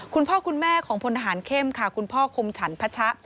คุณพ่อคุณแม่ของพลทหารเข้มค่ะคุณพ่อคมฉันพัชะ